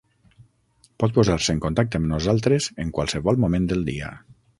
Pot posar-se en contacte amb nosaltres en qualsevol moment del dia.